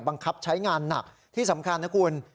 บังคับใช้งานหนักที่สำคัญนะคุณ